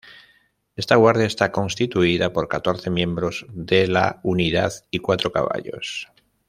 Esta guardia está constituida por catorce miembros de la unidad y cuatro caballos.